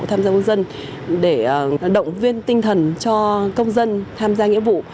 tham gia công dân để động viên tinh thần cho công dân tham gia nghĩa vụ